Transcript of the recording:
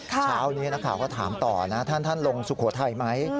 เช้านี้นักข่าวก็ถามต่อนะท่านลงสุโขทัยไหม